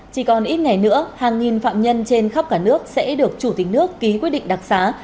chỉ còn ít ngày nữa hàng nghìn phạm nhân trên khắp cả nước sẽ được chủ tịch nước ký quyết định đặc xá